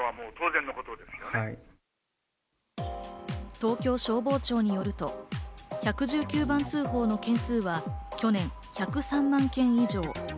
東京消防庁によると、１１９番通報の件数は、去年１０３万件以上。